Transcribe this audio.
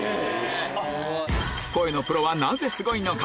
声のプロはなぜすごいのか？